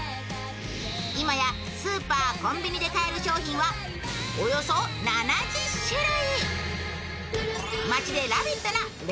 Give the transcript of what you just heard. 今やスーパーコンビニで買える商品はおよそ７０種類。